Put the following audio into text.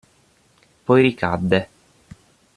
Poi ricadde.